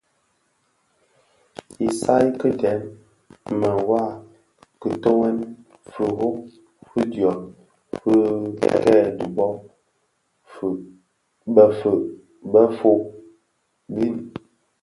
Isaï ki dèm, mëwa; kitoňèn, firob fidyom fi kè dhibo bëfœug befog mbiň,